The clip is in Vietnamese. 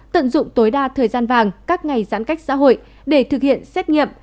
tận dụng tối đa thời gian vàng các ngày giãn cách xã hội để thực hiện xét nghiệm